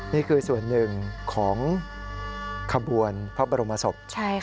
นี่คือส่วนหนึ่งของขบวนพระบรมศพ